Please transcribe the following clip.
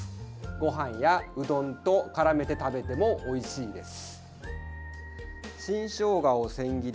ご飯やうどんとからめて食べてもおいしいです。